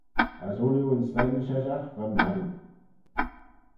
As ooilley yn slane sheshaght va marroo.